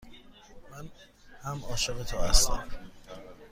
من هم عاشق تو هستم.